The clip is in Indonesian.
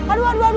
aduh aduh aduh